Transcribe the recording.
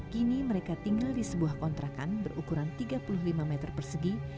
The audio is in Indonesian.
kini mereka tinggal di sebuah kontrakan berukuran tiga puluh lima meter persegi